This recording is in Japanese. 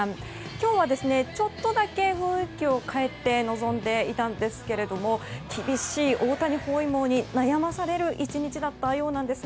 今日は、ちょっとだけ雰囲気を変えて臨んでいたんですが厳しい大谷包囲網に悩まされる１日だったようです。